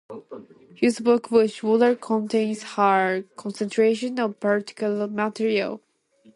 Used backwash water contains high concentrations of particulate material.